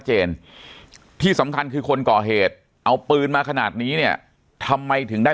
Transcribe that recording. เจนที่สำคัญคือคนก่อเหตุเอาปืนมาขนาดนี้เนี่ยทำไมถึงได้